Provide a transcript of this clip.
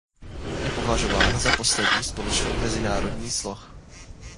Je považován za poslední společný mezinárodní sloh.